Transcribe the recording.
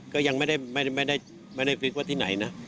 ก็ยังไม่ได้ฟิตว่าที่ไหนนะ